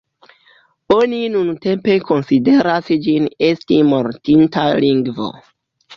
Oni nuntempe konsideras ĝin esti mortinta lingvo.